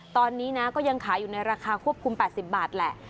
ตอนนี้นะก็ยังขายอยู่ในราคาควบคุม๘๐บาทแหละ